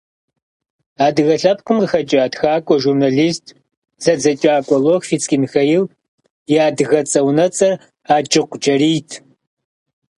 Адыгэ лъэпкъым къыхэкӀа тхакӏуэ, журнэлист, зэдзэкӏакӏуэ Лохвицкий Михаил и адыгэцӏэ-унэцӏэр Аджыкъу Джэрийт.